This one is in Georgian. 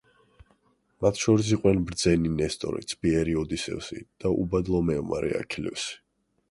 მათ შორის იყვნენ ბრძენი ნესტორი, ცბიერი ოდისევსი და უბადლო მეომარი აქილევსი.